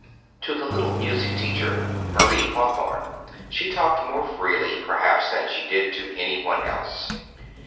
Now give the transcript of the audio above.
To the little music teacher, Marie Hawthorn, she talked more freely, perhaps, than she did to any one else.